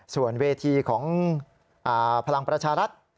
ส่วนเวทีของพลังประชารัฐ